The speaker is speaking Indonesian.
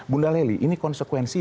bunda lely ini konsekuensi